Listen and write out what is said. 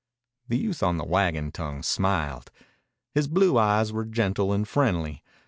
The youth on the wagon tongue smiled. His blue eyes were gentle and friendly.